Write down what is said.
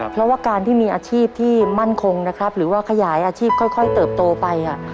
เพราะว่าการที่มีอาชีพที่มั่นคงนะครับหรือว่าขยายอาชีพค่อยเติบโตไป